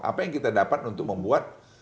apa yang kita dapat untuk membuat